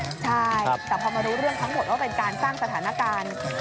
ใช่แต่พอมารู้เรื่องทั้งหมดว่าเป็นการสร้างสถานการณ์